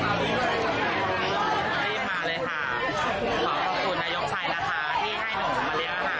เดรอมทุนตายิงตรงสามารยามากค่ะ